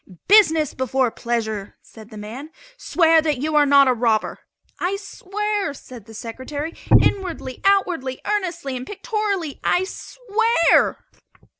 "Business before pleasure," said the man; "swear that you are not a robber." "I swear," said the Secretary; "inwardly, outwardly, earnestly and pictorially, I swear!"